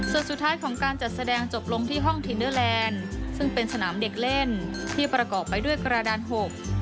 ส่วนสุดท้ายของการจัดแสดงจบลงที่ห้องทินเนอร์แลนด์ซึ่งเป็นสนามเด็กเล่นที่ประกอบไปด้วยกระดานหก